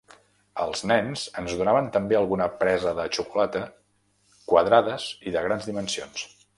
Als nens ens donaven també alguna presa de xocolata, quadrades i de grans dimensions.